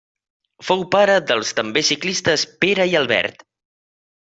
Fou pare dels també ciclistes Pere i Albert.